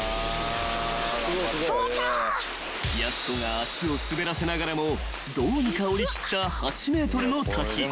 ［やす子が足を滑らせながらもどうにかおりきった８ｍの滝］